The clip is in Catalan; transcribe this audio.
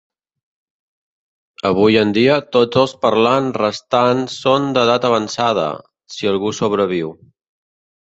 Avui en dia, tots els parlants restants són d'edat avançada, si algú sobreviu.